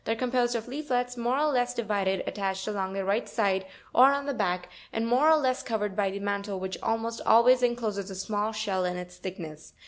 63 are composed of leaflets, more or less divided, at tached along the right side (fig. 80, br), or on the back (fig. 81), and more or less covered by the mantle, which almost al ways encloses a small shell in its thickness.